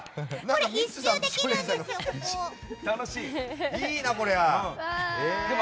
これ、１周できるんですよ。